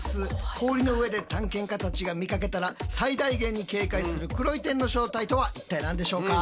氷の上で探検家たちが見かけたら最大限に警戒する「黒い点」の正体とは一体何でしょうか？